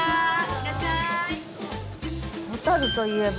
いらっしゃい。